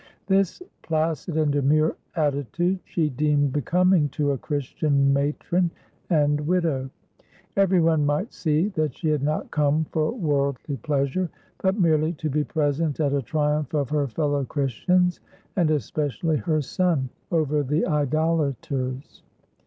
This placid and demure attitude she deemed becoming to a Christian matron and widow. Every one might see that she had not come for worldly pleasure, but merely to be present at a triumph of her fellow Christians — and especially her son — over the idolaters.